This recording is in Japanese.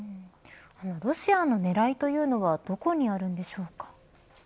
ロシアの狙いというのはどこにあるんでしょうか。